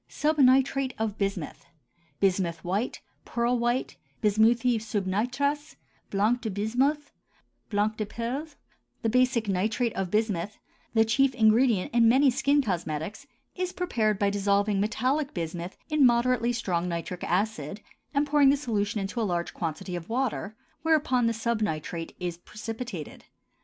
SUBNITRATE OF BISMUTH, bismuth white, pearl white, bismuthi subnitras, blanc de bismuth, blanc de perles, the basic nitrate of bismuth, the chief ingredient of many skin cosmetics, is prepared by dissolving metallic bismuth in moderately strong nitric acid, and pouring the solution into a large quantity of water, whereupon the subnitrate is precipitated.